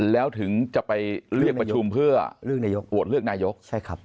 แล้วถึงจะไปเลือกประชุมเพื่อโหดเลือกนายก